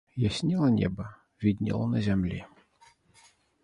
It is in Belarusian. Яснела неба, віднела на зямлі.